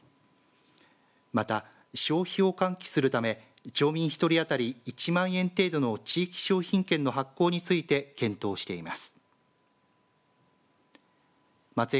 また消費を喚起するため町民１人当たり１万円程度の地域商品券の発行についても検討しています。